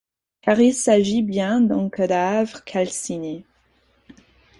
Car il s'agit bien d'un cadavre calciné...